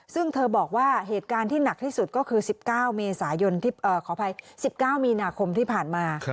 ซึ่งเธอบอกว่าเหตุการณ์ที่หนักที่สุดก็คือ๑๙เมษายนขออภัย๑๙มีนาคมที่ผ่านมา